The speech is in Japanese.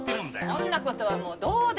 そんな事はもうどうでも。